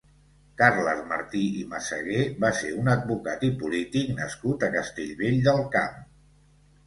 Carles Martí i Massagué va ser un advocat i polític nascut a Castellvell del Camp.